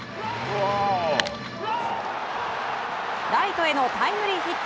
ライトへのタイムリーヒット。